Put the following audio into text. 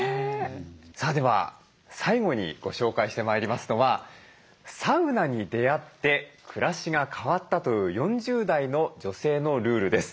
さあでは最後にご紹介してまいりますのはサウナに出会って暮らしが変わったという４０代の女性のルールです。